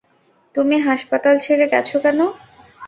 তুমি হাসপাতাল ছেড়ে গেছো কেন?